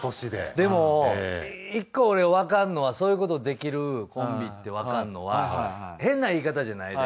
でも１個俺わかるのはそういうことできるコンビってわかるのは変な言い方じゃないで。